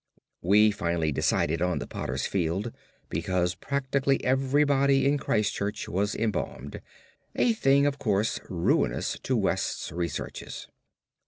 We finally decided on the potter's field, because practically every body in Christchurch was embalmed; a thing of course ruinous to West's researches.